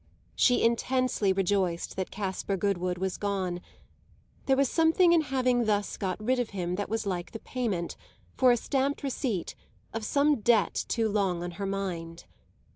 She intensely rejoiced that Caspar Goodwood was gone; there was something in having thus got rid of him that was like the payment, for a stamped receipt, of some debt too long on her mind.